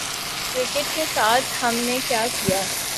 Cricket کے ساتھ ہم نے کیا کیا؟